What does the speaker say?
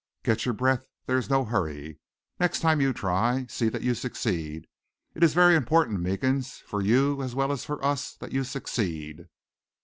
Get your breath; there is no hurry. Next time you try, see that you succeed. It is very important, Meekins, for you as well as for us, that you succeed."